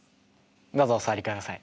どうぞお座りください。